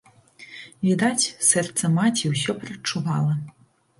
Відаць, сэрца маці ўсё прадчувала.